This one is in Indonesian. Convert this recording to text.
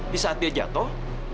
di saat dia jatuh